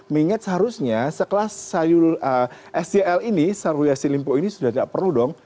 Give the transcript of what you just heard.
mengingat seharusnya sekelas sayur sdl ini saruliasi limpo ini sudah tidak perlu dong